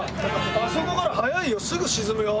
あそこから早いよ